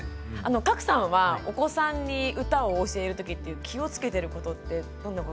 加耒さんはお子さんに歌を教えるときって気をつけてることってどんなことがありますか？